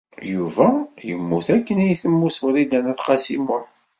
Yuba yemmut akken ay temmut Wrida n At Qasi Muḥ.